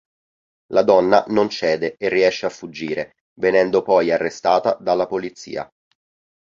La donna non cede e riesce a fuggire venendo poi arrestata dalla polizia.